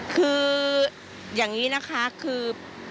คืออย่างนี้นะคะคือ